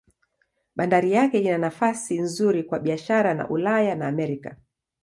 Bandari yake ina nafasi nzuri kwa biashara na Ulaya na Amerika.